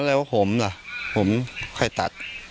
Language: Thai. แล้วผมล่ะผมใครตัด